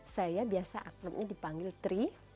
saya biasa aklumnya dipanggil tri